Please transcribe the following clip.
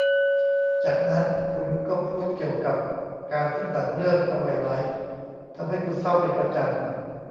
จากนั้นคุณก็พูดเกี่ยวกับการที่หนังเรื่องทไวไลท์ทำให้คุณเศร้าเป็นประจำ